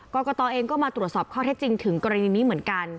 กรกตเองก็มาตรวจสอบข้อเท็จจริงถึงกรณีนี้เหมือนกัน